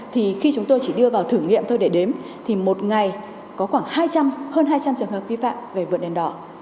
thì khi chúng tôi chỉ đưa vào thử nghiệm thôi để đếm thì một ngày có khoảng hai hơn hai trăm linh trường hợp vi phạm về vượt đèn đỏ